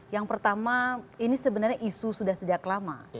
yang pertama ini sebenarnya isu sudah sejak lama